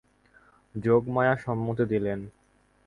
যোগমায়া সম্মতি দিলেন।